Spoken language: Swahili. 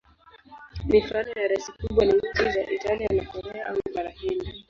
Mifano ya rasi kubwa ni nchi za Italia na Korea au Bara Hindi.